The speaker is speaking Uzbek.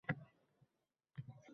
Axir, mumkin edi uyg‘onmaslik ham…